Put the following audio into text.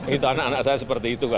itu anak anak saya seperti itu